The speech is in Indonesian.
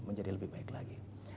menjadi lebih baik lagi